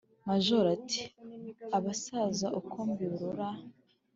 Majoro ati: "Abasaza uko mbirora,